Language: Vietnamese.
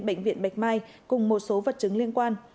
bệnh viện bạch mai cùng một số vật chứng liên quan